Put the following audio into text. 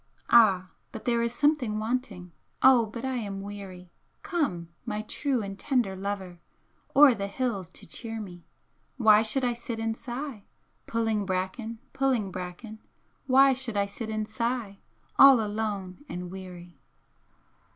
Ah, but there is something wanting, Oh but I am weary! Come, my true and tender lover, O'er the hills to cheer me! Why should I sit and sigh, Pu'in' bracken, pu'in' bracken, Why should I sit and sigh, All alone and weary!"